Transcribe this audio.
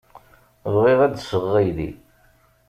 Bɣiɣ ad d-sɣeɣ aydi.